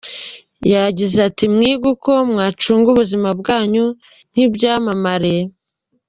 Yagize ati “Mwige uko mwacunga ubuzima bwanyu nk’ibyamamare.